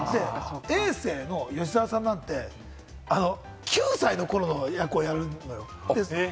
エイ政の吉沢さんなんて、９歳の頃の役をやる。